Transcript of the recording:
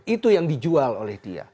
itu yang dijual oleh dia